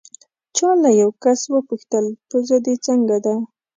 چا له یو کس وپوښتل: پوزه دې څنګه ده؟